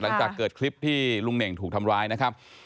หลังจากเกิดคลิปที่ลุงเน่งถูกทำร้ายนะครับ